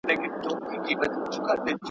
هغه هڅه وکړه چې د شپې ټیلیفون نه وکاروي.